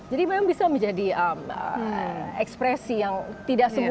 jadi memang bisa menjadi ekspresi yang tidak semua juga